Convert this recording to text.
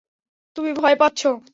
তুমি ভয় পাচ্ছ।